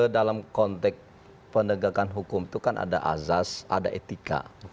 dalam konteks penegakan hukum itu kan ada azas ada etika